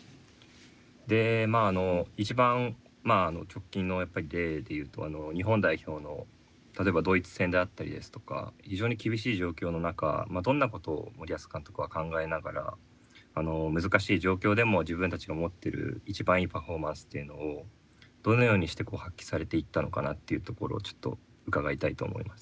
でまあ一番直近の例でいうと日本代表の例えばドイツ戦であったりですとか非常に厳しい状況の中どんなことを森保監督は考えながらあの難しい状況でも自分たちが持ってる一番いいパフォーマンスっていうのをどのようにして発揮されていったのかなっていうところをちょっと伺いたいと思います。